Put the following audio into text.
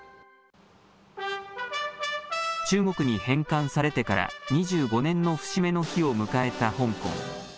中国に返還されてから２５年の節目の日を迎えた香港。